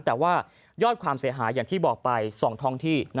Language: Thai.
แต่ว่ายอดความเสียหายอย่างที่บอกไป๒ท้องที่